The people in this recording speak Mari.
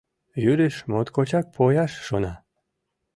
Юриш моткочак пояш шона.